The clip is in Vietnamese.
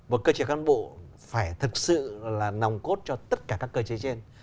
một cơ chế cán bộ phải thực sự là nòng cốt cho tất cả các cơ chế trên